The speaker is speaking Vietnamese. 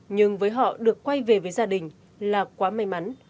nhưng với họ được quay về với gia đình là quá may mắn